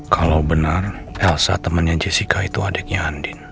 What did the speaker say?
kalau benar elsa temannya jessica itu adiknya andin